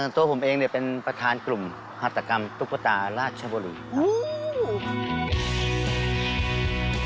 ตัวผมเองเป็นประธานกลุ่มพัฒนากรรมตุ๊กตาราชบุรีครับ